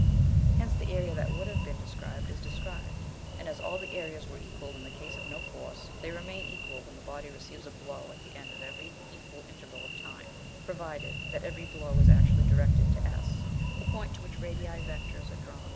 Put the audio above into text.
Hence the area that would have been described is described, and as all the areas were equal in the case of no force, they remain equal when the body receives a blow at the end of every equal interval of time, provided that every blow is actually directed to S, the point to which radii vectores are drawn.